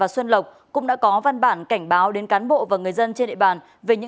xin chào các bạn